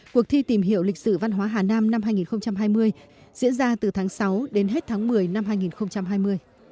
cuộc thi tìm hiểu lịch sử văn hóa hà nam năm hai nghìn hai mươi diễn ra từ tháng sáu đến hết tháng một mươi năm hai nghìn hai mươi